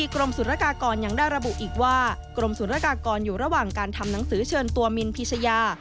กรมศูนยากากรอยู่ระหว่างการทำหนังสือเชิญตัวมินพิชยา